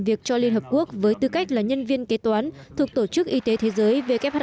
việc cho liên hợp quốc với tư cách là nhân viên kế toán thuộc tổ chức y tế thế giới